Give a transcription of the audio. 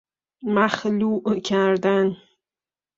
مخلوع کردن